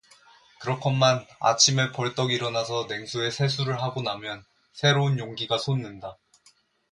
그렇건만 아침에 벌떡 일어나서 냉수에 세수를 하고 나면 새로운 용기가 솟는다.